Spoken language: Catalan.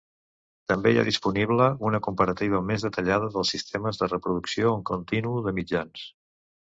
També hi ha disponible una comparativa més detallada dels sistemes de reproducció en continu de mitjans.